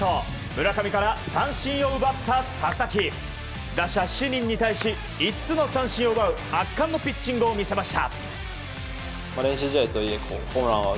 村上から三振を奪った佐々木打者７人に対し５つの三振を奪う圧巻のピッチングを見せました。